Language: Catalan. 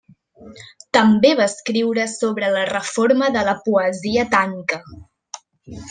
També va escriure sobre la reforma de la poesia tanka.